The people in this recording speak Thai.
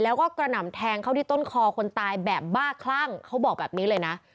แล้วก็กระหน่ำแทงเข้าที่ต้นคอคนตายแบบบ้าคลั่งเขาบอกแบบนี้เลยนะ